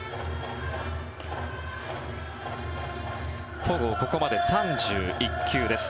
戸郷、ここまで３１球です。